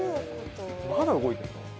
・まだ動いているの？